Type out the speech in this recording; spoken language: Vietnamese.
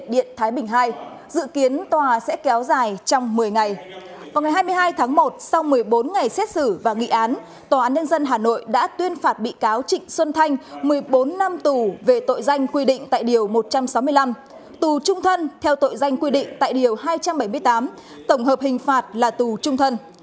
tù trung thân theo tội danh quy định tại điều hai trăm bảy mươi tám tổng hợp hình phạt là tù trung thân